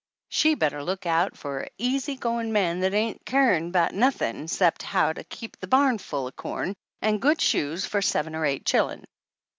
She better look out for a easy goin' man that ain't carin' 'bout nothin' 'cept how to keep the barn full o' corn and good shoes for seven or eight chil'en